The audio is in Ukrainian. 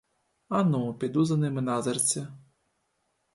Ану, піду за ними назирці.